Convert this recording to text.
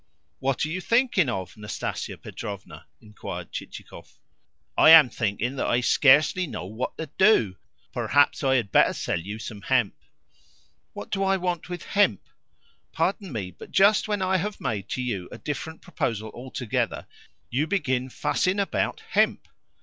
"What are you thinking of, Nastasia Petrovna?" inquired Chichikov. "I am thinking that I scarcely know what to do. Perhaps I had better sell you some hemp?" "What do I want with hemp? Pardon me, but just when I have made to you a different proposal altogether you begin fussing about hemp!